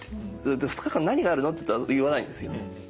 「２日間何があるの？」って言っても言わないんですけど。